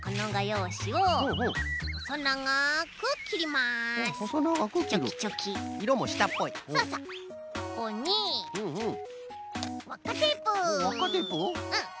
うん。